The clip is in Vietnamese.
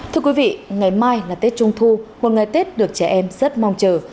thưa quý vị ngày mai là tết trung thu một ngày tết được trẻ em rất mong chờ